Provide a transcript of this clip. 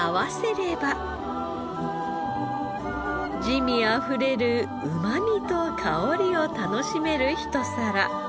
滋味あふれるうまみと香りを楽しめる一皿。